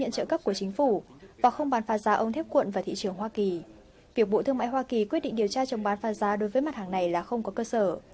việc bộ thương mại hoa kỳ quyết định điều tra chồng bán pha giá đối với mặt hàng này là không có cơ sở